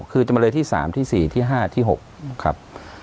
คือจำเลยที่๓ที่๔ที่๕ที่๖ครับ